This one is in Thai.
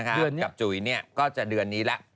กับจุ๋ยเนี่ยก็จะเดือนนี้ละ